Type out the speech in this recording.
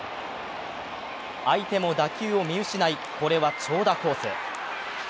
相手も打球を見失いこれは長打コース。